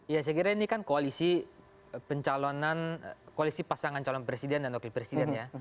ya saya kira ini kan koalisi pencalonan koalisi pasangan calon presiden dan wakil presiden ya